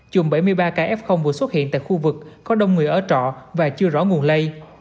chùm bảy mươi ba ca f vừa xuất hiện tại khu vực có đông người ở trọ và chưa rõ nguồn lây